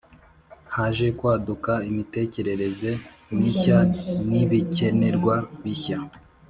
Haje kwaduka imitekerereze mishya n ibikenerwa bishya